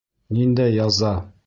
Ниндәй яза?